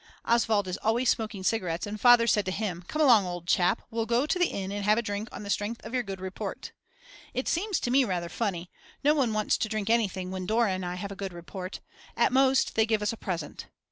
Oswald is always smoking cigarettes and Father said to him: Come along old chap, we'll go to the inn and have a drink on the strength of your good report. It seems to me rather funny; no one wants to drink anything when Dora and I have a good report, at most they give us a present.